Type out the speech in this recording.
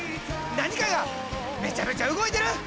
何かがめっちゃめちゃ動いてる！